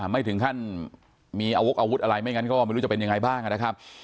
ไม่ถึงขั้นมีอาวกอาวุธอะไรไม่งั้นก็ไม่รู้จะเป็นยังไงบ้างนะครับ